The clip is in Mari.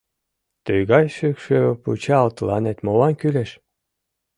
— Тыгай шӱкшӧ пычал тыланет молан кӱлеш?